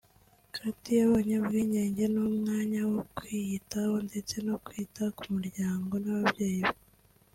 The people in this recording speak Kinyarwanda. Katie yabonye ubwigenge n’umwanya wo kwiyitaho ndetse no kwita ku muryango n’ababyeyi be